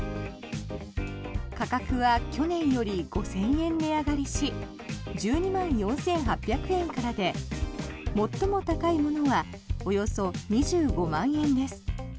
価格は去年より５０００円値上がりし１２万４８００円からで最も高いものはおよそ２５万円です。